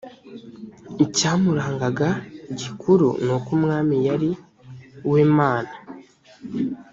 icyamurangaga gikuru nuko umwami yari we mana